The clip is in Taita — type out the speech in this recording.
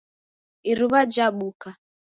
Iruw'a jabuka.